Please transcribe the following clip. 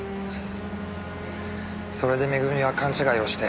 それで恵美は勘違いをして。